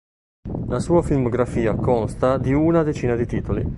La sua filmografia consta di una decina di titoli.